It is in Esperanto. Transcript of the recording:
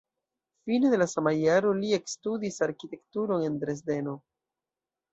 Fine de la sama jaro li ekstudis arkitekturon en Dresdeno.